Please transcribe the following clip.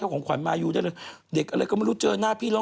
กระเทยเก่งกว่าเออแสดงความเป็นเจ้าข้าว